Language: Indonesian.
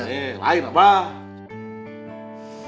hei lain pak